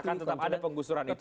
akan tetap ada penggusuran itu